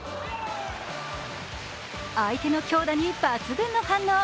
相手の強打に抜群の反応。